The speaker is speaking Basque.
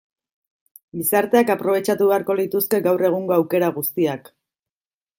Gizarteak aprobetxatu beharko lituzke gaur egungo aukera guztiak.